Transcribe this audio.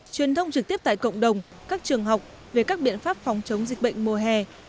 truyền thông trực tiếp tại cộng đồng các trường học về các biện pháp phòng chống dịch bệnh mùa hè